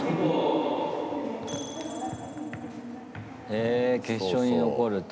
へ、決勝に残ると。